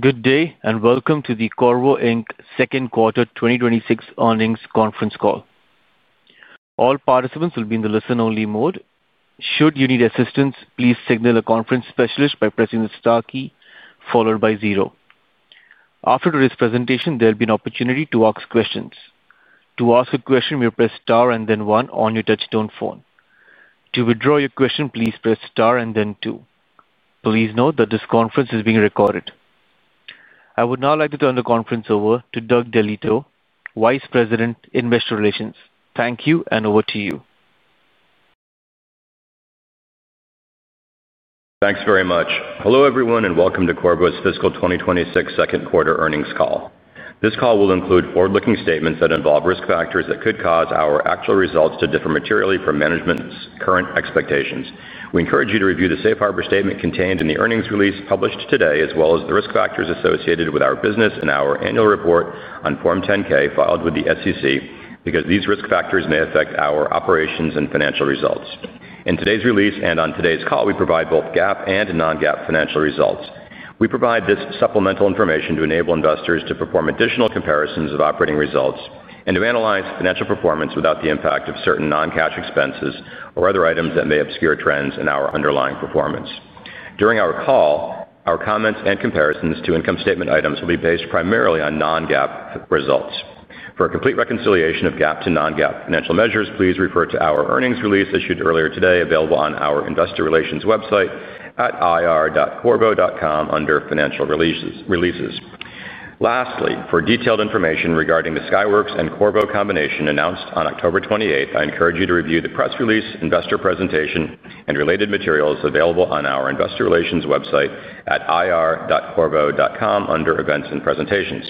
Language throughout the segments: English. Good day and welcome to the Qorvo, Inc second quarter 2026 earnings conference call. All participants will be in the listen-only mode. Should you need assistance, please signal a conference specialist by pressing the star key followed by zero. After today's presentation, there will be an opportunity to ask questions. To ask a question, you press star and then one on your touch-tone phone. To withdraw your question, please press star and then two. Please note that this conference is being recorded. I would now like to turn the conference over to Doug DeLieto, Vice President, Investor Relations. Thank you, and over to you. Thanks very much. Hello everyone and welcome to Qorvo's fiscal 2026 second quarter earnings call. This call will include forward-looking statements that involve risk factors that could cause our actual results to differ materially from management's current expectations. We encourage you to review the safe harbor statement contained in the earnings release published today, as well as the risk factors associated with our business and our annual report on Form 10-K filed with the SEC, because these risk factors may affect our operations and financial results. In today's release and on today's call, we provide both GAAP and non-GAAP financial results. We provide this supplemental information to enable investors to perform additional comparisons of operating results and to analyze financial performance without the impact of certain non-cash expenses or other items that may obscure trends in our underlying performance. During our call, our comments and comparisons to income statement items will be based primarily on non-GAAP results. For a complete reconciliation of GAAP to non-GAAP financial measures, please refer to our earnings release issued earlier today, available on our investor relations website at ir.qorvo.com under financial releases. Lastly, for detailed information regarding the Skyworks and Qorvo combination announced on October 28, I encourage you to review the press release, investor presentation, and related materials available on our investor relations website at ir.qorvo.com under events and presentations.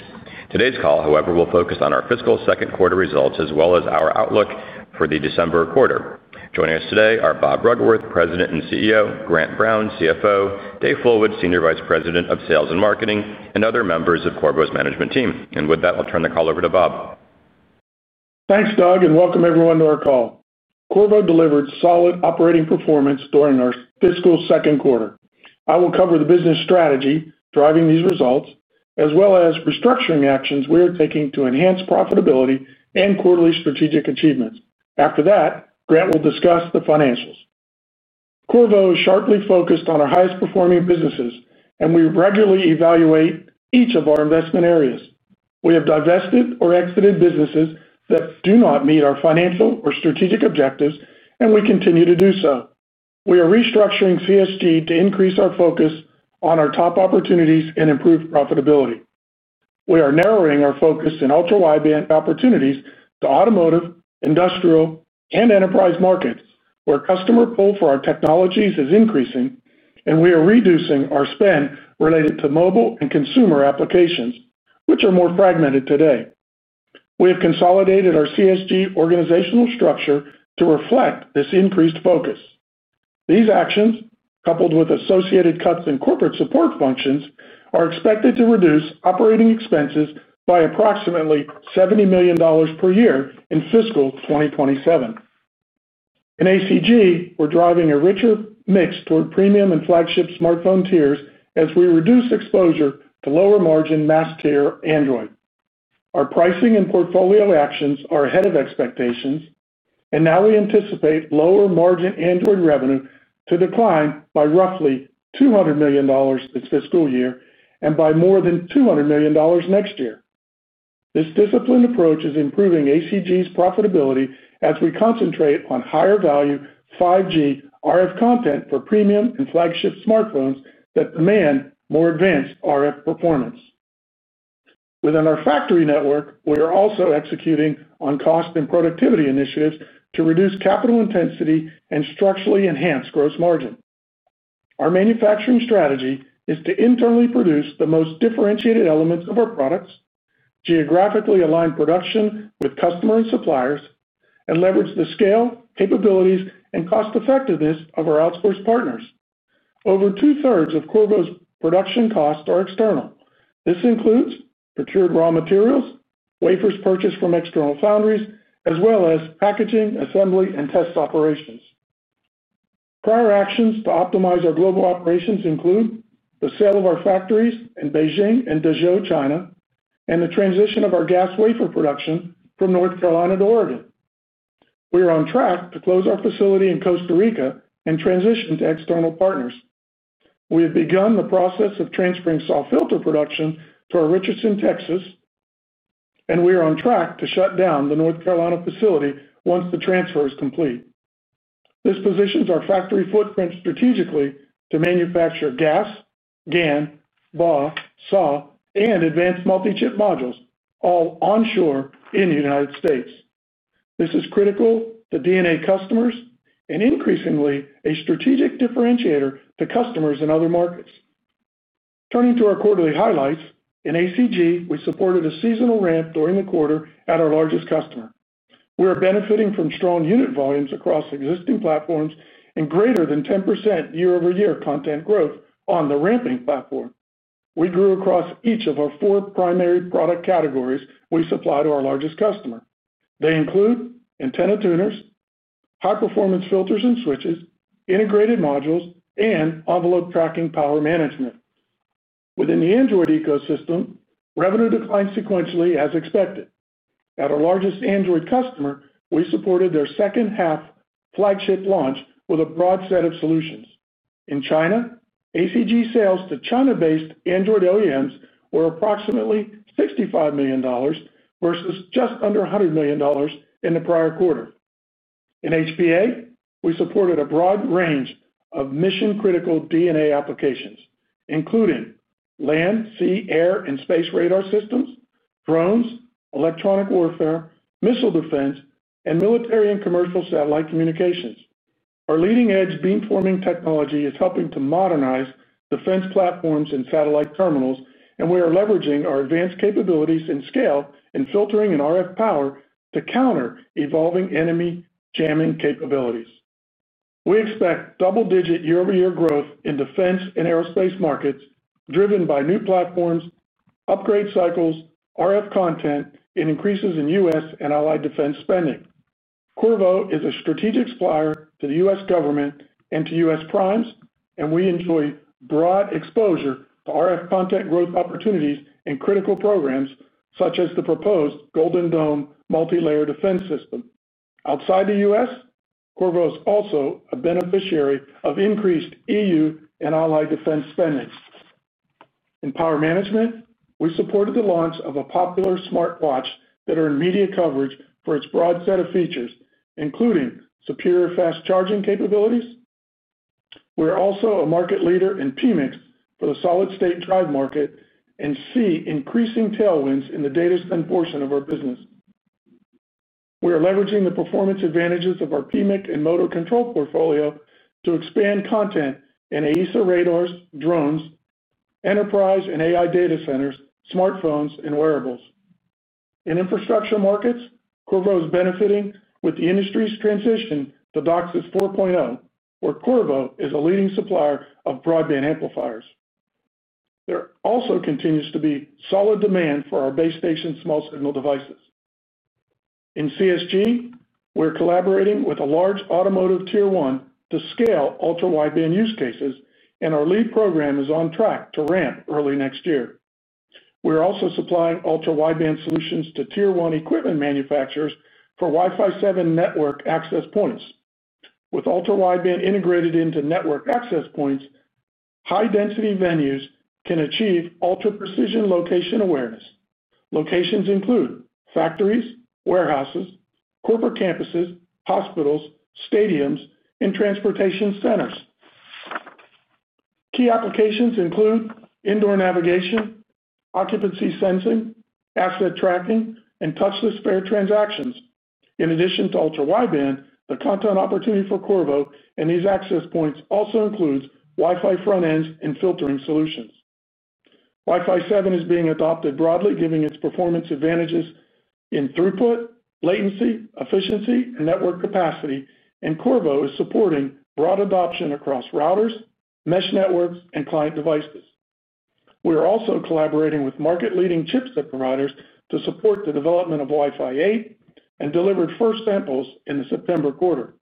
Today's call, however, will focus on our fiscal second quarter results as well as our outlook for the December quarter. Joining us today are Bob Bruggeworth, President and CEO; Grant Brown, CFO; Dave Fullwood, Senior Vice President of Sales and Marketing; and other members of Qorvo's management team. With that, I'll turn the call over to Bob. Thanks, Doug, and welcome everyone to our call. Qorvo delivered solid operating performance during our fiscal second quarter. I will cover the business strategy driving these results, as well as restructuring actions we are taking to enhance profitability and quarterly strategic achievements. After that, Grant will discuss the financials. Qorvo is sharply focused on our highest performing businesses, and we regularly evaluate each of our investment areas. We have divested or exited businesses that do not meet our financial or strategic objectives, and we continue to do so. We are restructuring CSG to increase our focus on our top opportunities and improve profitability. We are narrowing our focus in ultra-wideband opportunities to automotive, industrial, and enterprise markets, where customer pull for our technologies is increasing, and we are reducing our spend related to mobile and consumer applications, which are more fragmented today. We have consolidated our CSG organizational structure to reflect this increased focus. These actions, coupled with associated cuts in corporate support functions, are expected to reduce operating expenses by approximately $70 million per year in fiscal 2027. In ACG, we're driving a richer mix toward premium and flagship smartphone tiers as we reduce exposure to lower margin mass-tier Android. Our pricing and portfolio actions are ahead of expectations, and now we anticipate lower margin Android revenue to decline by roughly $200 million this fiscal year and by more than $200 million next year. This disciplined approach is improving ACG's profitability as we concentrate on higher value 5G RF content for premium and flagship smartphones that demand more advanced RF performance. Within our factory network, we are also executing on cost and productivity initiatives to reduce capital intensity and structurally enhance gross margin. Our manufacturing strategy is to internally produce the most differentiated elements of our products, geographically align production with customer and suppliers, and leverage the scale, capabilities, and cost-effectiveness of our outsourced partners. Over two-thirds of Qorvo's production costs are external. This includes procured raw materials, wafers purchased from external foundries, as well as packaging, assembly, and test operations. Prior actions to optimize our global operations include the sale of our factories in Beijing and Dazhou, China, and the transition of our GaAs wafer production from North Carolina to Oregon. We are on track to close our facility in Costa Rica and transition to external partners. We have begun the process of transferring SAW filter production to our Richardson, Texas. We are on track to shut down the North Carolina facility once the transfer is complete. This positions our factory footprint strategically to manufacture GaAs, GaN, BAW, SAW, and advanced multi-chip modules, all onshore in the United States. This is critical to DNA customers and increasingly a strategic differentiator to customers in other markets. Turning to our quarterly highlights, in ACG, we supported a seasonal ramp during the quarter at our largest customer. We are benefiting from strong unit volumes across existing platforms and greater than 10% year-over-year content growth on the ramping platform. We grew across each of our four primary product categories we supply to our largest customer. They include antenna tuners, high-performance filters and switches, integrated modules, and envelope tracking power management. Within the Android ecosystem, revenue declined sequentially as expected. At our largest Android customer, we supported their second-half flagship launch with a broad set of solutions. In China, ACG sales to China-based Android OEMs were approximately $65 million versus just under $100 million in the prior quarter. In HPA, we supported a broad range of mission-critical defense and aerospace applications, including land, sea, air, and space radar systems, drones, electronic warfare, missile defense, and military and commercial satellite communications. Our leading-edge beamforming technology is helping to modernize defense platforms and satellite terminals, and we are leveraging our advanced capabilities and scale in filtering and RF power to counter evolving enemy jamming capabilities. We expect double-digit year-over-year growth in defense and aerospace markets driven by new platforms, upgrade cycles, RF content, and increases in U.S. and allied defense spending. Qorvo is a strategic supplier to the U.S. government and to U.S. primes, and we enjoy broad exposure to RF content growth opportunities and critical programs such as the proposed Golden Dome multi-layer defense system. Outside the U.S., Qorvo is also a beneficiary of increased E.U. and allied defense spending. In power management, we supported the launch of a popular smartwatch that earned media coverage for its broad set of features, including superior fast charging capabilities. We are also a market leader in PMICs for the solid-state drive market and see increasing tailwinds in the data spend portion of our business. We are leveraging the performance advantages of our PMIC and motor control portfolio to expand content in AESA radars, drones, enterprise and AI data centers, smartphones, and wearables. In infrastructure markets, Qorvo is benefiting with the industry's transition to DOCSIS 4.0, where Qorvo is a leading supplier of broadband amplifiers. There also continues to be solid demand for our base station small signal devices. In CSG, we're collaborating with a large automotive tier one to scale ultra-wideband use cases, and our lead program is on track to ramp early next year. We are also supplying ultra-wideband solutions to tier one equipment manufacturers for Wi-Fi 7 network access points. With ultra-wideband integrated into network access points, high-density venues can achieve ultra-precision location awareness. Locations include factories, warehouses, corporate campuses, hospitals, stadiums, and transportation centers. Key applications include indoor navigation, occupancy sensing, asset tracking, and touchless fare transactions. In addition to ultra-wideband, the content opportunity for Qorvo in these access points also includes Wi-Fi front-end and filtering solutions. Wi-Fi 7 is being adopted broadly, given its performance advantages in throughput, latency, efficiency, and network capacity, and Qorvo is supporting broad adoption across routers, mesh networks, and client devices. We are also collaborating with market-leading chipset providers to support the development of Wi-Fi 8 and delivered first samples in the September quarter.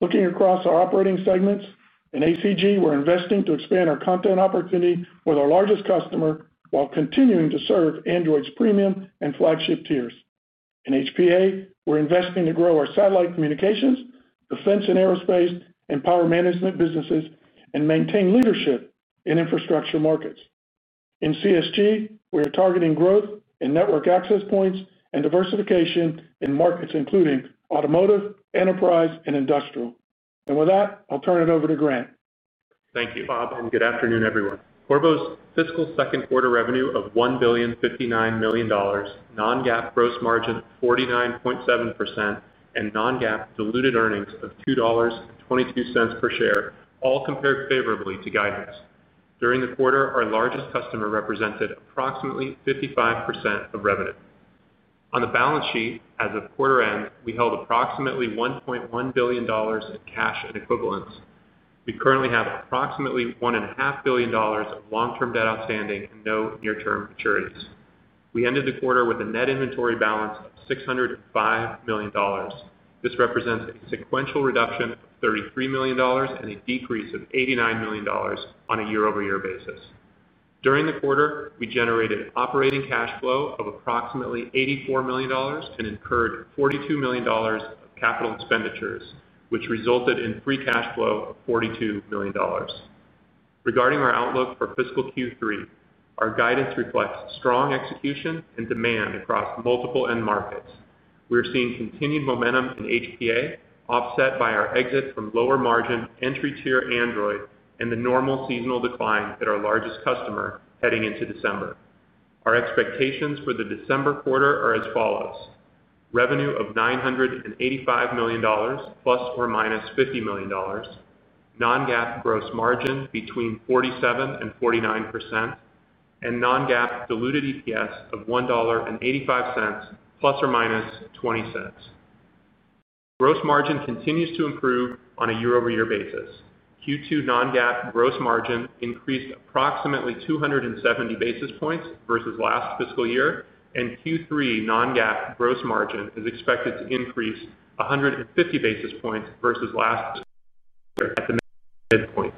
Looking across our operating segments, in ACG, we're investing to expand our content opportunity with our largest customer while continuing to serve Android's premium and flagship tiers. In HPA, we're investing to grow our satellite communications, defense and aerospace, and power management businesses, and maintain leadership in infrastructure markets. In CSG, we're targeting growth in network access points and diversification in markets including automotive, enterprise, and industrial. With that, I'll turn it over to Grant. Thank you, Bob, and good afternoon, everyone. Qorvo's fiscal second quarter revenue of $1,059 million, non-GAAP gross margin of 49.7%, and non-GAAP diluted earnings of $2.22 per share all compared favorably to guidance. During the quarter, our largest customer represented approximately 55% of revenue. On the balance sheet, as of quarter end, we held approximately $1.1 billion in cash and equivalents. We currently have approximately $1.5 billion of long-term debt outstanding and no near-term maturities. We ended the quarter with a net inventory balance of $605 million. This represents a sequential reduction of $33 million and a decrease of $89 million on a year-over-year basis. During the quarter, we generated operating cash flow of approximately $84 million and incurred $42 million of capital expenditures, which resulted in free cash flow of $42 million. Regarding our outlook for fiscal Q3, our guidance reflects strong execution and demand across multiple end markets. We are seeing continued momentum in HPA, offset by our exit from lower margin entry-tier Android and the normal seasonal decline at our largest customer heading into December. Our expectations for the December quarter are as follows: revenue of $985 million, ±$50 million. Non-GAAP gross margin between 47%-49%. And non-GAAP diluted EPS of $1.85, ±$0.20. Gross margin continues to improve on a year-over-year basis. Q2 non-GAAP gross margin increased approximately 270 basis points versus last fiscal year, and Q3 non-GAAP gross margin is expected to increase 150 basis points versus last. At the midpoint.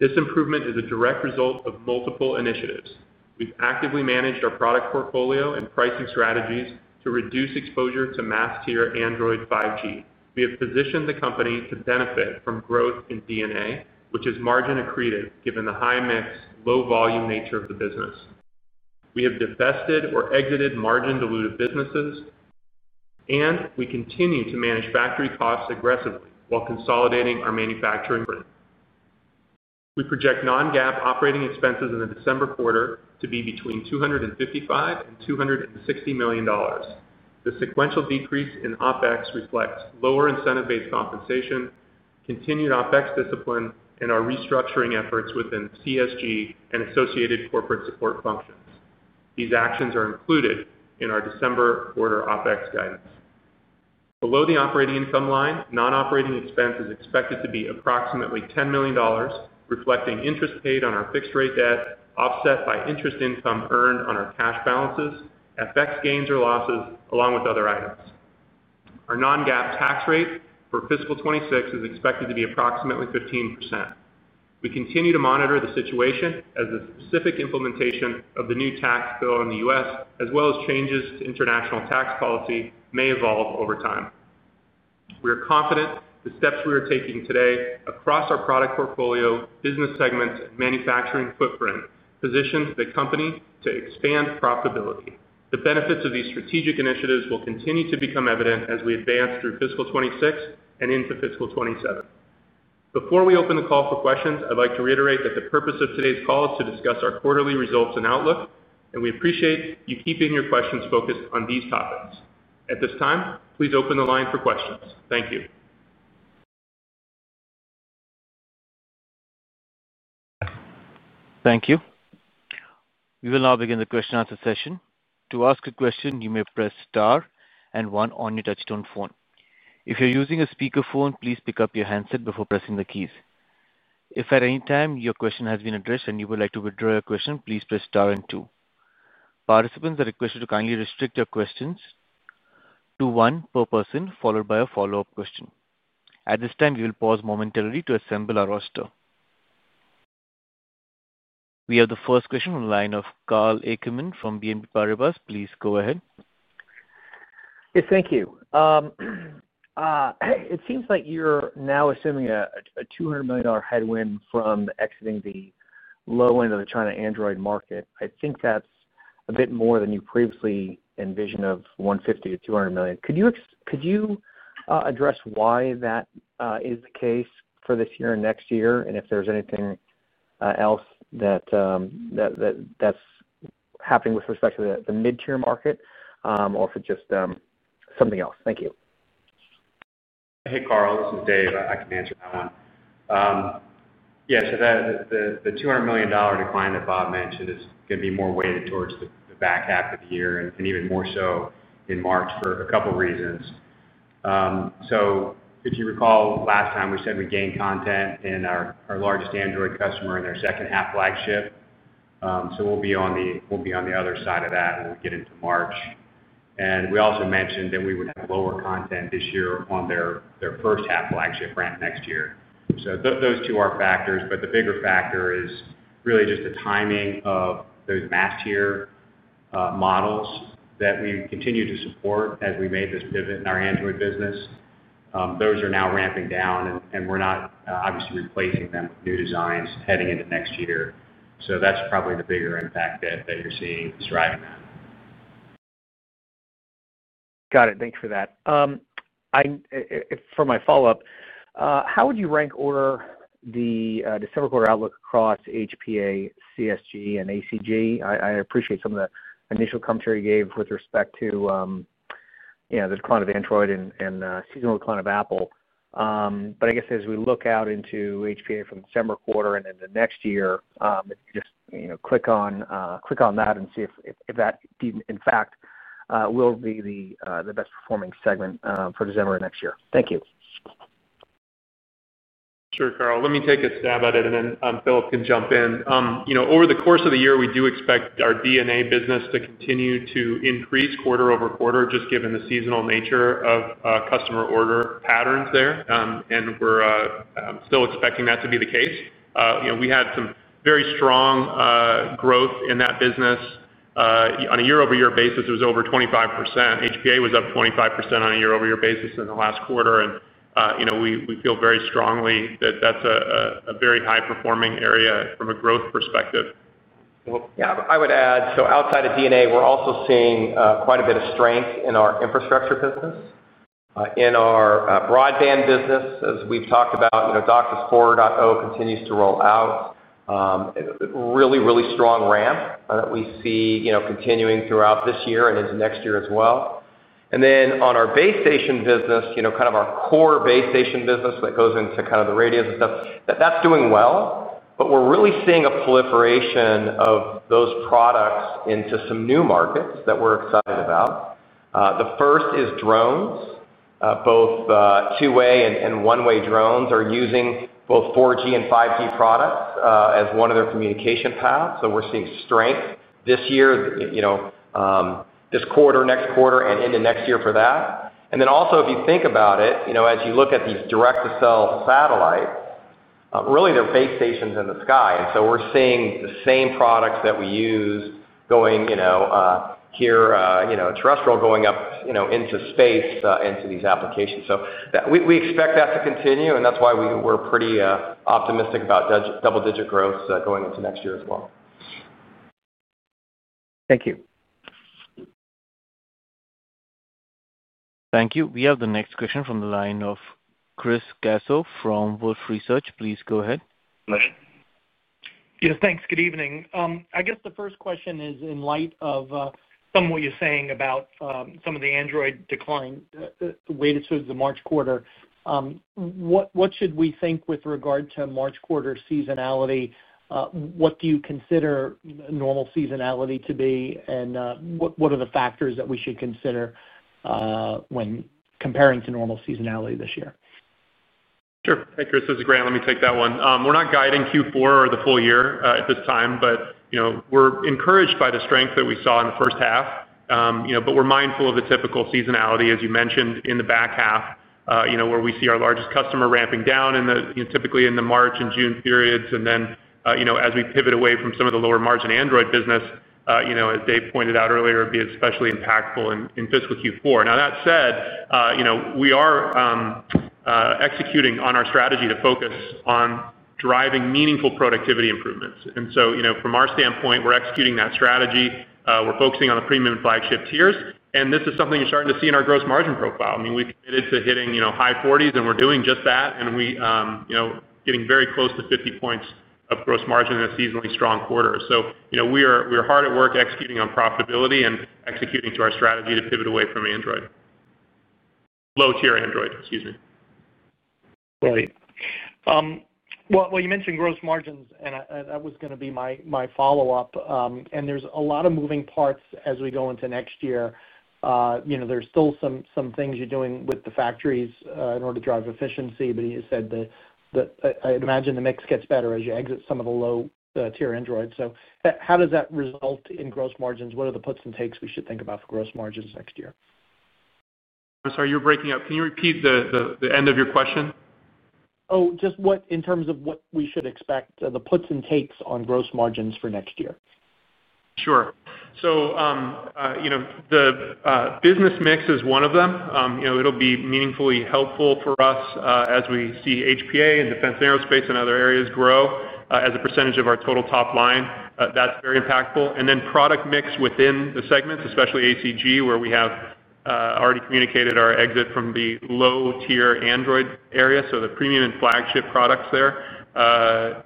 This improvement is a direct result of multiple initiatives. We've actively managed our product portfolio and pricing strategies to reduce exposure to mass-tier Android 5G. We have positioned the company to benefit from growth in DNA, which is margin accretive given the high mix, low-volume nature of the business. We have divested or exited margin-diluted businesses. And we continue to manage factory costs aggressively while consolidating our manufacturing footprint. We project non-GAAP operating expenses in the December quarter to be between $255 million-$260 million. The sequential decrease in OpEx reflects lower incentive-based compensation, continued OpEx discipline, and our restructuring efforts within CSG and associated corporate support functions. These actions are included in our December quarter OpEx guidance. Below the operating income line, non-operating expense is expected to be approximately $10 million, reflecting interest paid on our fixed-rate debt, offset by interest income earned on our cash balances, FX gains or losses, along with other items. Our non-GAAP tax rate for fiscal 2026 is expected to be approximately 15%. We continue to monitor the situation as the specific implementation of the new tax bill in the U.S., as well as changes to international tax policy, may evolve over time. We are confident the steps we are taking today across our product portfolio, business segments, and manufacturing footprint position the company to expand profitability. The benefits of these strategic initiatives will continue to become evident as we advance through fiscal 2026 and into fiscal 2027. Before we open the call for questions, I'd like to reiterate that the purpose of today's call is to discuss our quarterly results and outlook, and we appreciate you keeping your questions focused on these topics. At this time, please open the line for questions. Thank you. Thank you. We will now begin the question-and-answer session. To ask a question, you may press star and one on your touch-tone phone. If you're using a speakerphone, please pick up your handset before pressing the keys. If at any time your question has been addressed and you would like to withdraw your question, please press star and two. Participants are requested to kindly restrict their questions to one per person, followed by a follow-up question. At this time, we will pause momentarily to assemble our roster. We have the first question from the line of Karl Ackerman from BNP Paribas. Please go ahead. Yes, thank you. It seems like you're now assuming a $200 million headwind from exiting the low end of the China Android market. I think that's a bit more than you previously envisioned of $150 million-$200 million. Could you address why that is the case for this year and next year, and if there's anything else that's happening with respect to the mid-tier market, or if it's just something else? Thank you. Hey, Karl. This is Dave. I can answer that one. Yeah, so the $200 million decline that Bob mentioned is going to be more weighted towards the back half of the year and even more so in March for a couple of reasons. If you recall, last time we said we gained content in our largest Android customer in their second-half flagship. We will be on the other side of that when we get into March. We also mentioned that we would have lower content this year on their first-half flagship ramp next year. Those two are factors, but the bigger factor is really just the timing of those mass-tier models that we continue to support as we made this pivot in our Android business. Those are now ramping down, and we are not obviously replacing them with new designs heading into next year. That is probably the bigger impact that you are seeing driving that. Got it. Thanks for that. For my follow-up, how would you rank or the December quarter outlook across HPA, CSG, and ACG? I appreciate some of the initial commentary you gave with respect to the decline of Android and the seasonal decline of Apple. I guess as we look out into HPA from December quarter and into next year, just click on that and see if that, in fact, will be the best-performing segment for December and next year. Thank you. Sure, Karl. Let me take a stab at it, and then Philip can jump in. Over the course of the year, we do expect our DNA business to continue to increase quarter-over-quarter, just given the seasonal nature of customer order patterns there. We are still expecting that to be the case. We had some very strong growth in that business. On a year-over-year basis, it was over 25%. HPA was up 25% on a year-over-year basis in the last quarter. We feel very strongly that that is a very high-performing area from a growth perspective. Yeah, I would add, so outside of DNA, we're also seeing quite a bit of strength in our infrastructure business. In our broadband business, as we've talked about, DOCSIS 4.0 continues to roll out. Really, really strong ramp that we see continuing throughout this year and into next year as well. In our base station business, kind of our core base station business that goes into kind of the radios and stuff, that's doing well. We're really seeing a proliferation of those products into some new markets that we're excited about. The first is drones. Both two-way and one-way drones are using both 4G and 5G products as one of their communication paths. We're seeing strength this year, this quarter, next quarter, and into next year for that. Also, if you think about it, as you look at these direct-to-cell satellites, really, they're base stations in the sky. We're seeing the same products that we use here, terrestrial, going up into space into these applications. We expect that to continue, and that's why we're pretty optimistic about double-digit growth going into next year as well. Thank you. Thank you. We have the next question from the line of Chris Caso from Wolfe Research. Please go ahead. Yes, thanks. Good evening. I guess the first question is, in light of some of what you're saying about some of the Android decline weighted through the March quarter, what should we think with regard to March quarter seasonality? What do you consider normal seasonality to be, and what are the factors that we should consider when comparing to normal seasonality this year? Sure. Hey, Chris. This is Grant. Let me take that one. We're not guiding Q4 or the full year at this time, but we're encouraged by the strength that we saw in the first half. We're mindful of the typical seasonality, as you mentioned, in the back half, where we see our largest customer ramping down typically in the March and June periods. As we pivot away from some of the lower-margin Android business, as Dave pointed out earlier, it would be especially impactful in fiscal Q4. That said, we are executing on our strategy to focus on driving meaningful productivity improvements. From our standpoint, we're executing that strategy. We're focusing on the premium flagship tiers, and this is something you're starting to see in our gross margin profile. I mean, we've committed to hitting high 40s, and we're doing just that. We're getting very close to 50 points of gross margin in a seasonally strong quarter. We're hard at work executing on profitability and executing to our strategy to pivot away from Android. Low-tier Android, excuse me. Right. You mentioned gross margins, and that was going to be my follow-up. There are a lot of moving parts as we go into next year. There are still some things you're doing with the factories in order to drive efficiency, but you said that I imagine the mix gets better as you exit some of the low-tier Android. How does that result in gross margins? What are the puts and takes we should think about for gross margins next year? I'm sorry, you're breaking up. Can you repeat the end of your question? Oh, just in terms of what we should expect, the puts and takes on gross margins for next year. Sure. The business mix is one of them. It'll be meaningfully helpful for us as we see HPA and defense aerospace and other areas grow as a percentage of our total top line. That's very impactful. Then product mix within the segments, especially ACG, where we have already communicated our exit from the low-tier Android area, so the premium and flagship products there.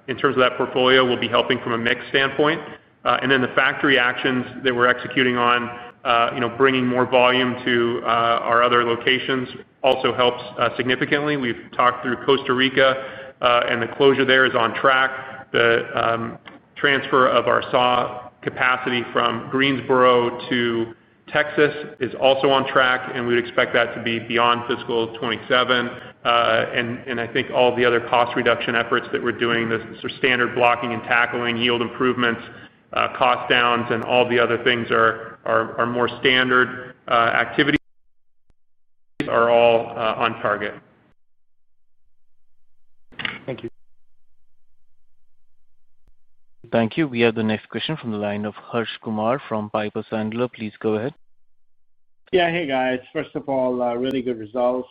In terms of that portfolio, we'll be helping from a mix standpoint. The factory actions that we're executing on, bringing more volume to our other locations, also helps significantly. We've talked through Costa Rica, and the closure there is on track. The transfer of our SAW capacity from Greensboro to Texas is also on track, and we would expect that to be beyond fiscal 2027. I think all the other cost reduction efforts that we're doing, the standard blocking and tackling, yield improvements, cost downs, and all the other things are more standard activities, are all on target. Thank you. Thank you. We have the next question from the line of Harsh Kumar from Piper Sandler. Please go ahead. Yeah, hey, guys. First of all, really good results.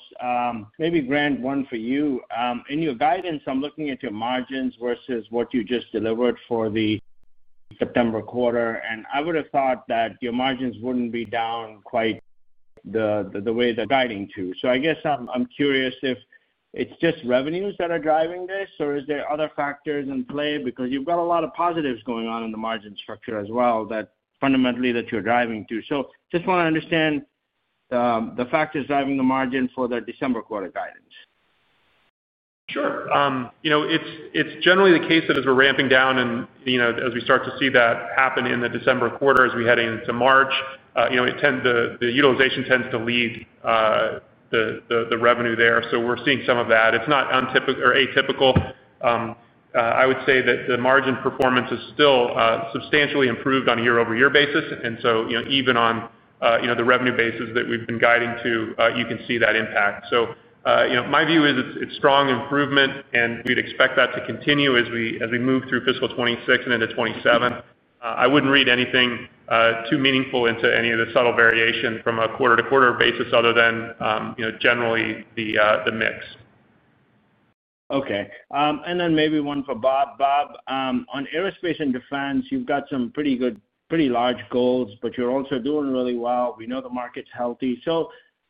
Maybe Grant, one for you. In your guidance, I'm looking at your margins versus what you just delivered for the September quarter. I would have thought that your margins would not be down quite the way they're guiding to. I guess I'm curious if it's just revenues that are driving this, or is there other factors in play? Because you've got a lot of positives going on in the margin structure as well that fundamentally that you're driving to. I just want to understand the factors driving the margin for the December quarter guidance. Sure. It's generally the case that as we're ramping down and as we start to see that happen in the December quarter, as we head into March, the utilization tends to lead the revenue there. We're seeing some of that. It's not untypical or atypical. I would say that the margin performance is still substantially improved on a year-over-year basis. Even on the revenue basis that we've been guiding to, you can see that impact. My view is it's strong improvement, and we'd expect that to continue as we move through fiscal 2026 and into 2027. I wouldn't read anything too meaningful into any of the subtle variation from a quarter-to-quarter basis other than generally the mix. Okay. And then maybe one for Bob. Bob, on aerospace and defense, you have got some pretty large goals, but you are also doing really well. We know the market is healthy.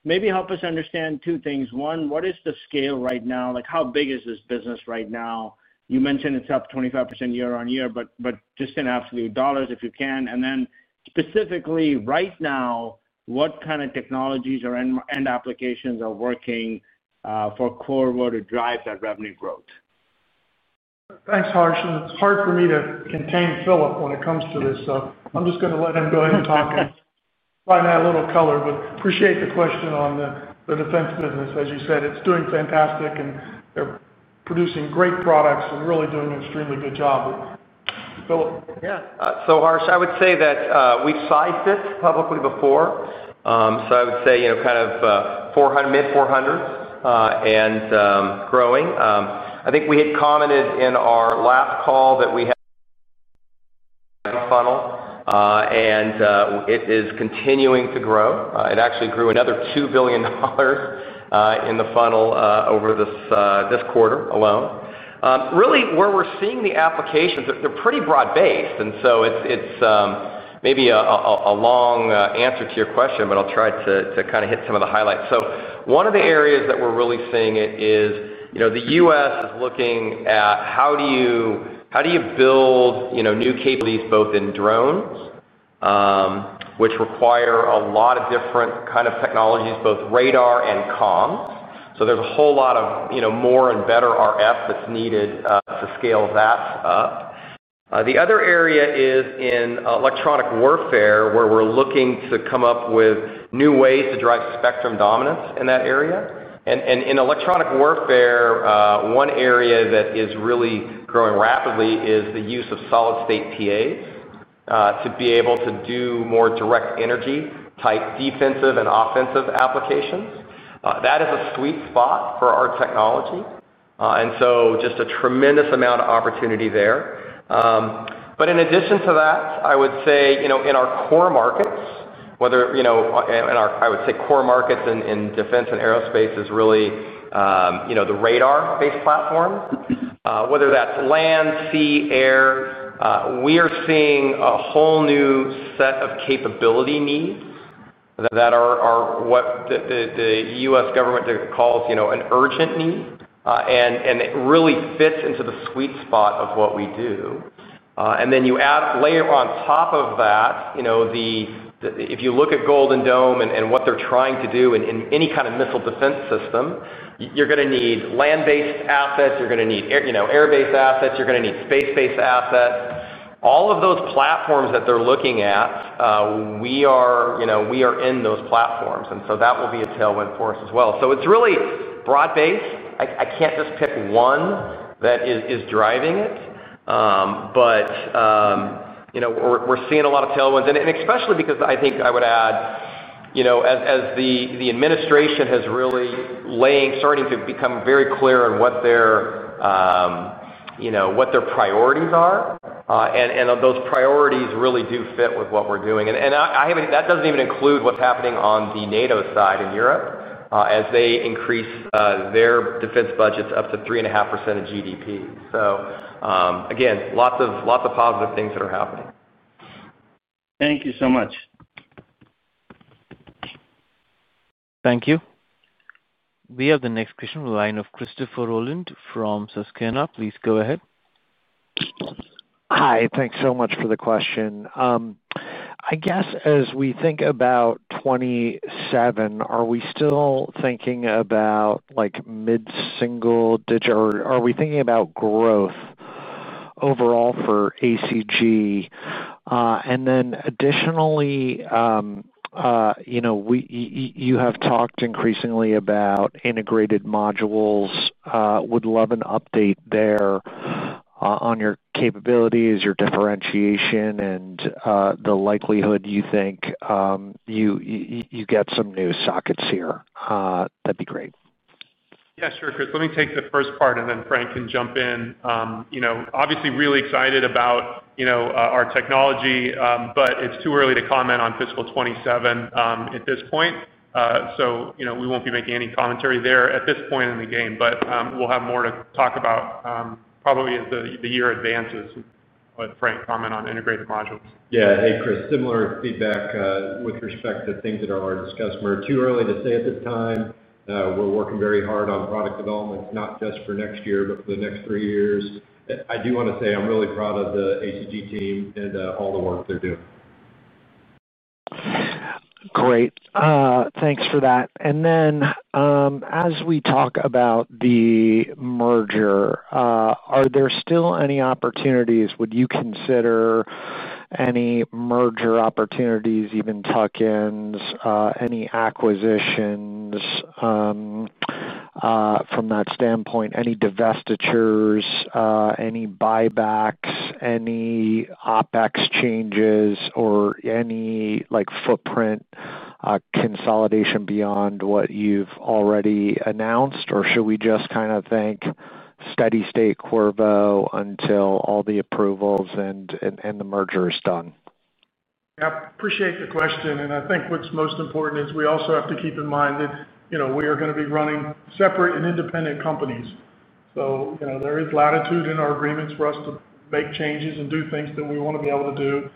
Maybe help us understand two things. One, what is the scale right now? How big is this business right now? You mentioned it is up 25% year on year, but just in absolute dollars, if you can. And then specifically right now, what kind of technologies and applications are working for Qorvo to drive that revenue growth? Thanks, Harsh. It is hard for me to contain Philip when it comes to this. I am just going to let him go ahead and talk and find that little color. I appreciate the question on the defense business. As you said, it is doing fantastic, and they are producing great products and really doing an extremely good job. Philip. Yeah. Harsh, I would say that we've sized it publicly before. I would say kind of mid-400s and growing. I think we had commented in our last call that we had a funnel, and it is continuing to grow. It actually grew another $2 billion in the funnel over this quarter alone. Really, where we're seeing the applications, they're pretty broad-based. It is maybe a long answer to your question, but I'll try to kind of hit some of the highlights. One of the areas that we're really seeing is the U.S. is looking at how do you build new capabilities both in drones, which require a lot of different kinds of technologies, both radar and comms. There is a whole lot of more and better RF that's needed to scale that up. The other area is in electronic warfare, where we're looking to come up with new ways to drive spectrum dominance in that area. In electronic warfare, one area that is really growing rapidly is the use of solid-state PAs to be able to do more direct-energy-type defensive and offensive applications. That is a sweet spot for our technology. There is just a tremendous amount of opportunity there. In addition to that, I would say in our core markets, core markets in defense and aerospace is really the radar-based platforms. Whether that's land, sea, air, we are seeing a whole new set of capability needs that are what the U.S. government calls an urgent need. It really fits into the sweet spot of what we do. You add a layer on top of that. If you look at Golden Dome and what they're trying to do in any kind of missile defense system, you're going to need land-based assets. You're going to need air-based assets. You're going to need space-based assets. All of those platforms that they're looking at, we are in those platforms. That will be a tailwind for us as well. It is really broad-based. I can't just pick one that is driving it. We're seeing a lot of tailwinds. Especially because I think I would add, as the administration has really started to become very clear on what their priorities are. Those priorities really do fit with what we're doing. That doesn't even include what's happening on the NATO side in Europe as they increase their defense budgets up to 3.5% of GDP. Again, lots of positive things that are happening. Thank you so much. Thank you. We have the next question from the line of Christopher Rolland from Susquehanna. Please go ahead. Hi. Thanks so much for the question. I guess as we think about 2027, are we still thinking about mid-single digit or are we thinking about growth overall for ACG? Additionally, you have talked increasingly about integrated modules. Would love an update there on your capabilities, your differentiation, and the likelihood you think you get some new sockets here. That'd be great. Yeah, sure, Chris. Let me take the first part, and then Frank can jump in. Obviously really excited about our technology, but it's too early to comment on fiscal 2027 at this point. We won't be making any commentary there at this point in the game. We'll have more to talk about probably as the year advances. Frank, comment on integrated modules. Yeah. Hey, Chris. Similar feedback with respect to things that are already discussed. We're too early to say at this time. We're working very hard on product development, not just for next year, but for the next three years. I do want to say I'm really proud of the ACG team and all the work they're doing. Great. Thanks for that. As we talk about the merger, are there still any opportunities? Would you consider any merger opportunities, even tuck-ins, any acquisitions from that standpoint, any divestitures, any buybacks, any OpEx changes, or any footprint consolidation beyond what you've already announced? Should we just kind of think steady state Qorvo until all the approvals and the merger is done? Yeah. Appreciate the question. I think what's most important is we also have to keep in mind that we are going to be running separate and independent companies. There is latitude in our agreements for us to make changes and do things that we want to be able to do.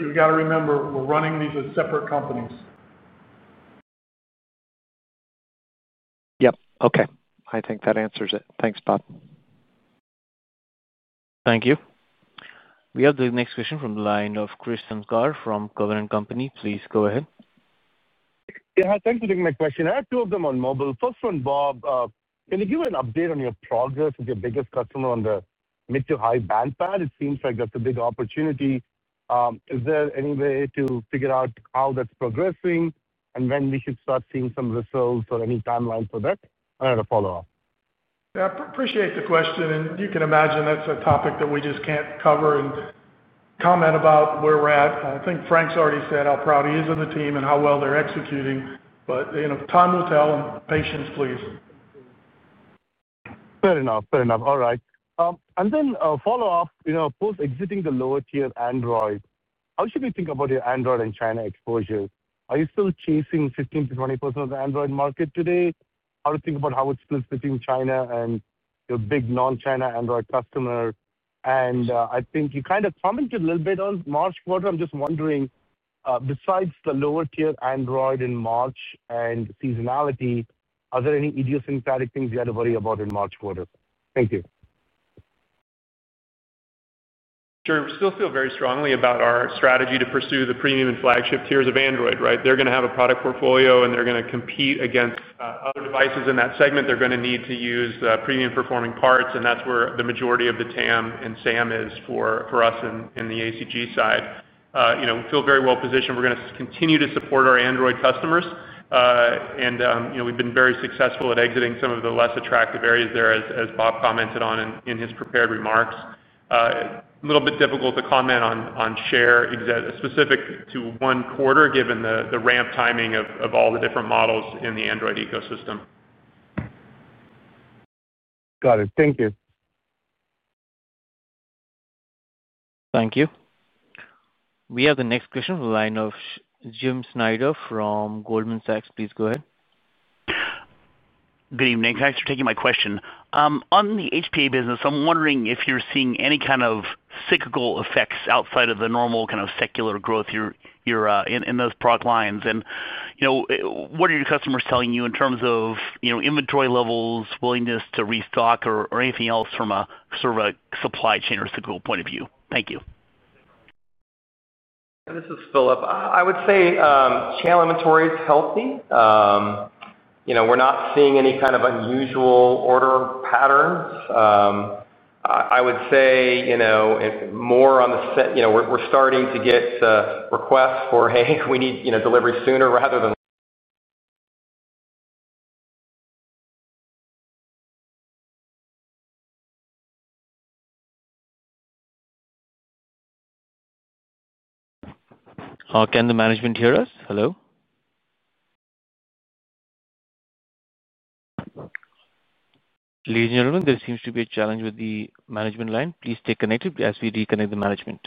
You got to remember, we're running these as separate companies. Yep. Okay. I think that answers it. Thanks, Bob. Thank you. We have the next question from the line of Krish Sankar from Cowen and Company. Please go ahead. Yeah, thanks for taking my question. I have two of them on mobile. First one for Bob. Can you give an update on your progress with your biggest customer on the mid-to-high band path? It seems like that's a big opportunity. Is there any way to figure out how that's progressing and when we should start seeing some results or any timeline for that? I had a follow-up. Yeah. Appreciate the question. You can imagine that's a topic that we just can't cover and comment about where we're at. I think Frank's already said how proud he is of the team and how well they're executing. Time will tell and patience, please. Fair enough. Fair enough. All right. Then a follow-up. Post-exiting the lower-tier Android, how should we think about your Android and China exposure? Are you still chasing 15%-20% of the Android market today? How to think about how it is still sitting China and your big non-China Android customer? I think you kind of commented a little bit on March quarter. I am just wondering, besides the lower-tier Android in March and seasonality, are there any idiosyncratic things you had to worry about in March quarter? Thank you. Sure. We still feel very strongly about our strategy to pursue the premium and flagship tiers of Android, right? They're going to have a product portfolio, and they're going to compete against other devices in that segment. They're going to need to use premium-performing parts. That is where the majority of the TAM and SAM is for us in the ACG side. We feel very well positioned. We're going to continue to support our Android customers. We have been very successful at exiting some of the less attractive areas there, as Bob commented on in his prepared remarks. It is a little bit difficult to comment on share specific to one quarter, given the ramp timing of all the different models in the Android ecosystem. Got it. Thank you. Thank you. We have the next question from the line of Jim Schneider from Goldman Sachs. Please go ahead. Good evening. Thanks for taking my question. On the HPA business, I'm wondering if you're seeing any kind of cyclical effects outside of the normal kind of secular growth in those product lines. What are your customers telling you in terms of inventory levels, willingness to restock, or anything else from a supply chain or cyclical point of view? Thank you. This is Philip. I would say channel inventory is healthy. We're not seeing any kind of unusual order patterns. I would say more on the we're starting to get requests for, "Hey, we need delivery sooner," rather than. Can the management hear us? Hello? Ladies and gentlemen, there seems to be a challenge with the management line. Please stay connected as we reconnect the management.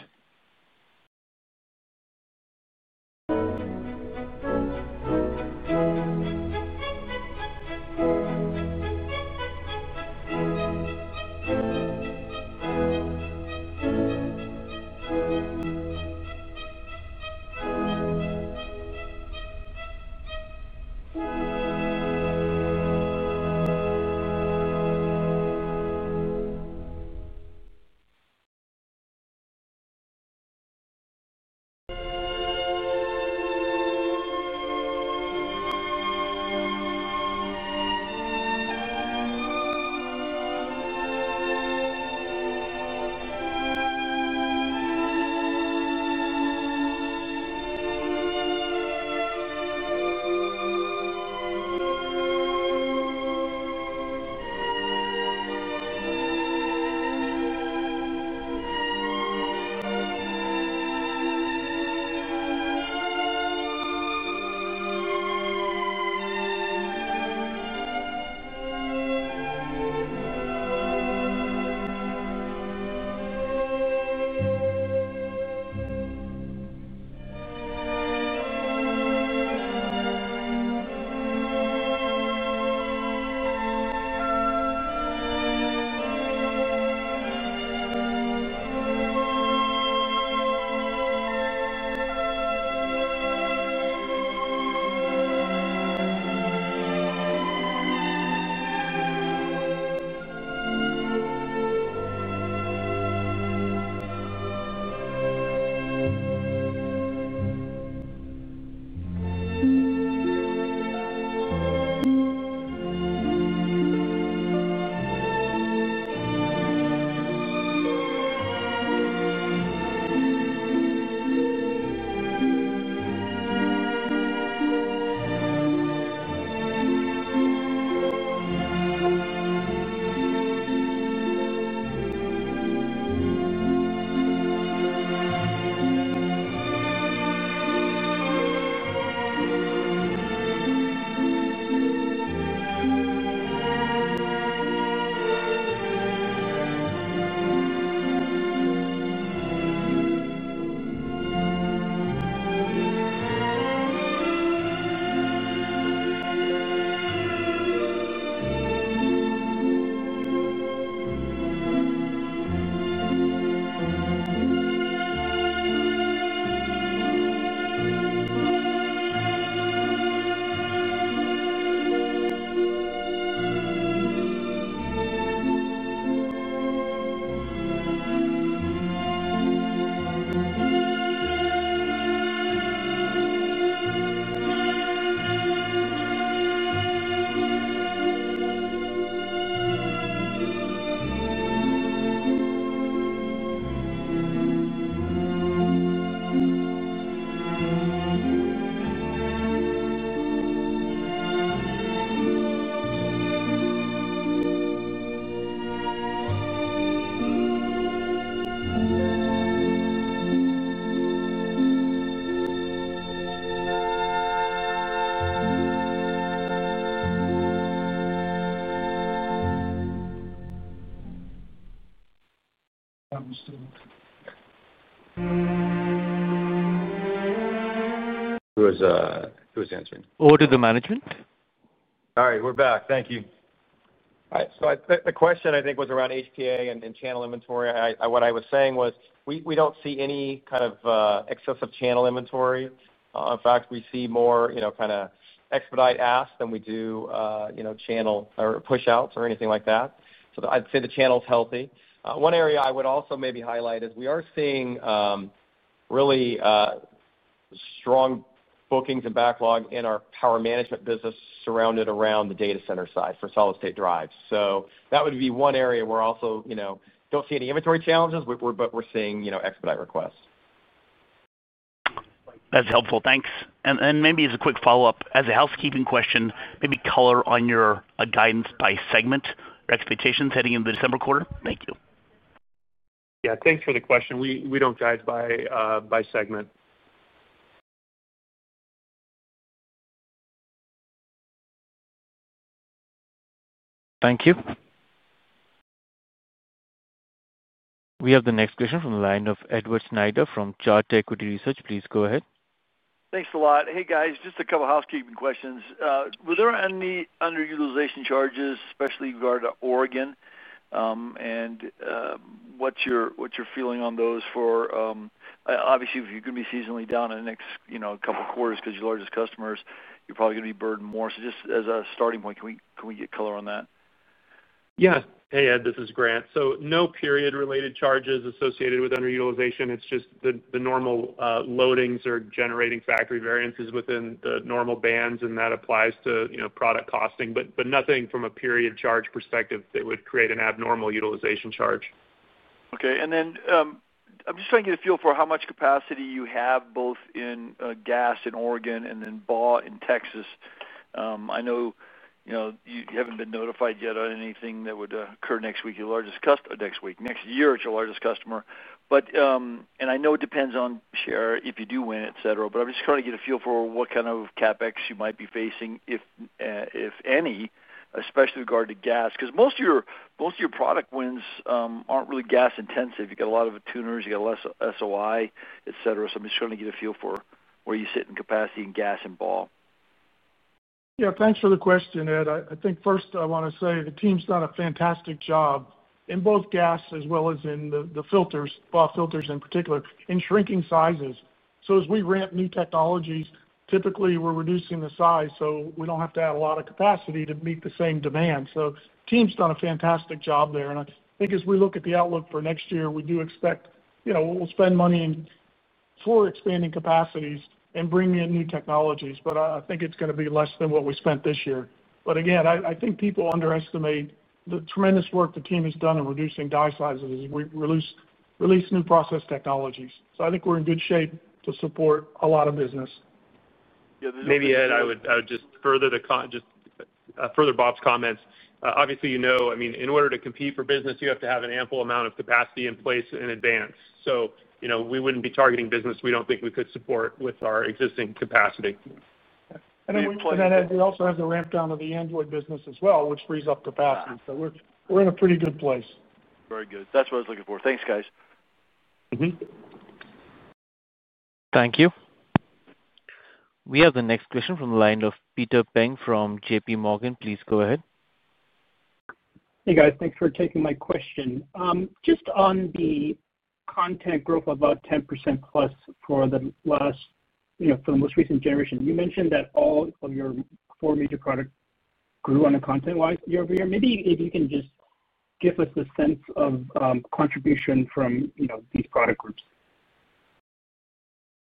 Who is answering? Over to the management. Sorry. We're back. Thank you. All right. The question, I think, was around HPA and channel inventory. What I was saying was we don't see any kind of excessive channel inventory. In fact, we see more kind of expedite ask than we do channel or push outs or anything like that. I'd say the channel is healthy. One area I would also maybe highlight is we are seeing really strong bookings and backlog in our power management business surrounded around the data center side for solid-state drives. That would be one area where also don't see any inventory challenges, but we're seeing expedite requests. That's helpful. Thanks. Maybe as a quick follow-up, as a housekeeping question, maybe color on your guidance by segment, your expectations heading into the December quarter. Thank you. Yeah. Thanks for the question. We don't judge by segment. Thank you. We have the next question from the line of Edward Snyder from Charter Equity Research. Please go ahead. Thanks a lot. Hey, guys. Just a couple of housekeeping questions. Were there any underutilization charges, especially regarding Oregon? What's your feeling on those for, obviously, if you're going to be seasonally down in the next couple of quarters because your largest customers, you're probably going to be burdened more. Just as a starting point, can we get color on that? Yeah. Hey, Ed. This is Grant. No period-related charges associated with underutilization. It's just the normal loadings are generating factory variances within the normal bands, and that applies to product costing. Nothing from a period charge perspective that would create an abnormal utilization charge. Okay. I'm just trying to get a feel for how much capacity you have both in GaAs in Oregon and then BAW in Texas. I know you haven't been notified yet on anything that would occur next week, your largest customer next week, next year at your largest customer. I know it depends on share if you do win, etc., but I'm just trying to get a feel for what kind of CapEx you might be facing, if any, especially regarding GaAs. Because most of your product wins aren't really GaAs-intensive. You've got a lot of antenna tuners. You've got less SOI, etc. I'm just trying to get a feel for where you sit in capacity in GaAs and BAW. Yeah. Thanks for the question, Ed. I think first I want to say the team's done a fantastic job in both GaAs as well as in the filters, BAW filters in particular, in shrinking sizes. As we ramp new technologies, typically we're reducing the size so we don't have to add a lot of capacity to meet the same demand. The team's done a fantastic job there. I think as we look at the outlook for next year, we do expect we'll spend money for expanding capacities and bringing in new technologies. I think it's going to be less than what we spent this year. Again, I think people underestimate the tremendous work the team has done in reducing die sizes as we release new process technologies. I think we're in good shape to support a lot of business. Yeah. Maybe, Ed, I would just further Bob's comments. Obviously, you know, I mean, in order to compete for business, you have to have an ample amount of capacity in place in advance. We wouldn't be targeting business we don't think we could support with our existing capacity. We also have to ramp down to the Android business as well, which frees up capacity. So we're in a pretty good place. Very good. That's what I was looking for. Thanks, guys. Thank you. We have the next question from the line of Peter Peng from JPMorgan. Please go ahead. Hey, guys. Thanks for taking my question. Just on the content growth of about 10%+ for the last, for the most recent generation, you mentioned that all of your four major products grew on a content-wise year-over-year. Maybe if you can just give us a sense of contribution from these product groups.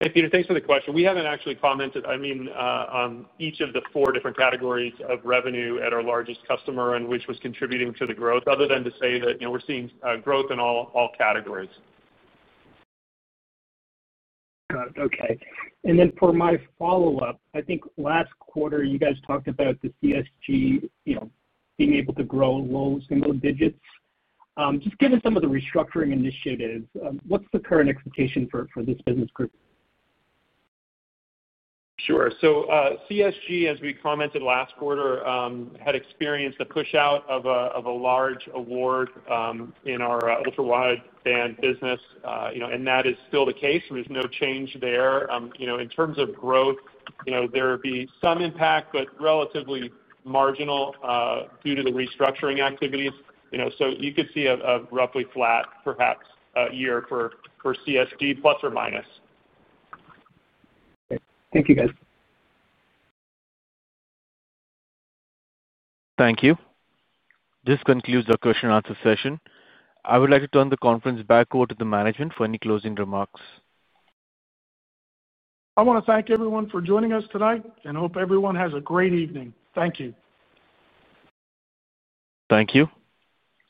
Hey, Peter. Thanks for the question. We have not actually commented, I mean, on each of the four different categories of revenue at our largest customer and which was contributing to the growth, other than to say that we are seeing growth in all categories. Got it. Okay. For my follow-up, I think last quarter, you guys talked about the CSG being able to grow low single digits. Just given some of the restructuring initiatives, what's the current expectation for this business group? Sure. CSG, as we commented last quarter, had experienced the push-out of a large award in our ultra-wideband business. That is still the case. There's no change there. In terms of growth, there would be some impact, but relatively marginal due to the restructuring activities. You could see a roughly flat, perhaps, year for CSG, plus or minus. Thank you, guys. Thank you. This concludes our question-and-answer session. I would like to turn the conference back over to the management for any closing remarks. I want to thank everyone for joining us tonight and hope everyone has a great evening. Thank you. Thank you.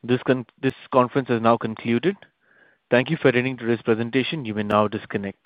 This conference has now concluded. Thank you for attending today's presentation. You may now disconnect.